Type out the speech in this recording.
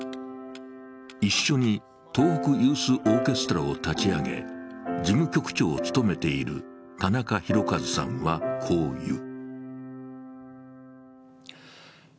一緒に東北ユースオーケストラを立ち上げ、事務局長を務めている田中宏和さんはこう言う。